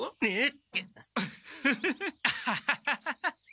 えっ？